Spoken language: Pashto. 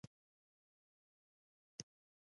هر ډول حد او برید له منځه وړي.